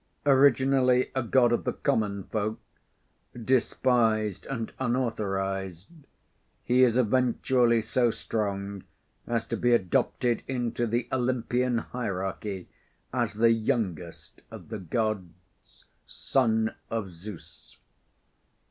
Originally a god of the common folk, despised and unauthorised, he is eventually so strong as to be adopted into the Olympian hierarchy as the "youngest" of the Gods, son of Zeus.